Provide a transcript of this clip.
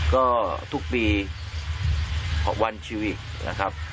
ก็ทุกปีวันชีวิตนะครับ